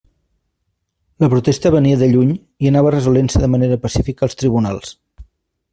La protesta venia de lluny i anava resolent-se de manera pacífica als tribunals.